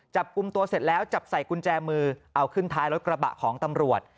จับกลุ่มตัวเสร็จแล้วจับใส่กุญแจมือเอาขึ้นท้ายรถกระบะของตำรวจ